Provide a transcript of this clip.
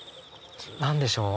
何でしょう